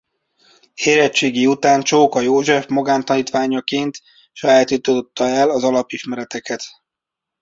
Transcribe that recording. Érettségi után Csóka József magántanítványaként sajátította el az alapismereteket.